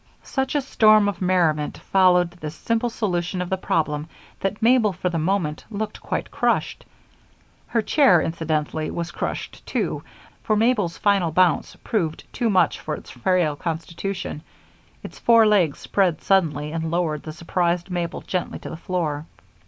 Such a storm of merriment followed this simple solution of the problem that Mabel for the moment looked quite crushed. Her chair, incidentally, was crushed too, for Mabel's final bounce proved too much for its frail constitution; its four legs spread suddenly and lowered the surprised Mabel gently to the floor.